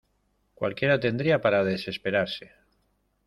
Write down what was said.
¡ cualquiera tendría para desesperarse!